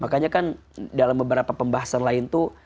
makanya kan dalam beberapa pembahasan lain tuh